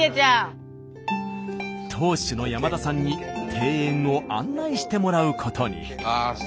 当主の山田さんに庭園を案内してもらうことに。